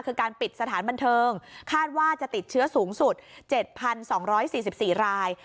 คือการปิดสถานบันเทิงคาดว่าจะติดเชื้อสูงสุด๗๒๔๔ราย